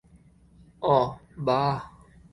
ওহ, বাহ।